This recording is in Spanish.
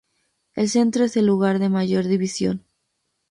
El centro es el lugar de mayor división.